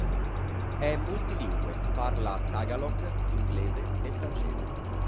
È multilingue: parla tagalog, inglese e francese.